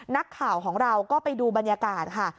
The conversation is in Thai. นักข่าวของเราก็ไปดูบรรยากาศค่ะ